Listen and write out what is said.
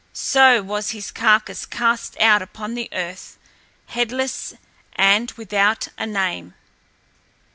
So was his carcass cast out upon the earth, headless and without a name.